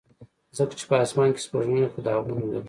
ځکه چې په اسمان کې سپوږمۍ خو داغونه لري.